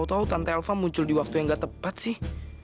tau tau tante alva muncul di waktu yang gak tepat sih